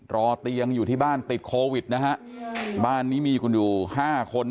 รอเตียงอยู่ที่บ้านติดโควิดนะฮะบ้านนี้มีคุณอยู่ห้าคน